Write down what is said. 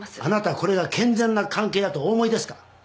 あなたこれが健全な関係だとお思いですか？